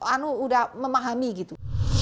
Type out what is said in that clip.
anu udah memahami gitu